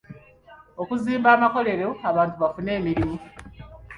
Okuzimba amakolero abantu bafune emirimu.